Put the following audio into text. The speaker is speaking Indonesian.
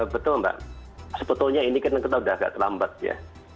betul mbak sebetulnya ini kan kita sudah agak terlambat ya